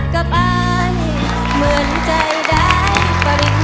ขอบคุณครับ